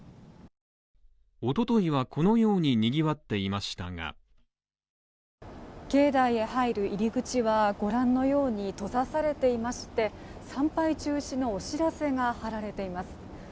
一昨日はこのように賑わっていましたが境内へ入る入り口はご覧のように閉ざされていまして、参拝中止のお知らせが貼られています。